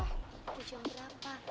dia jam berapa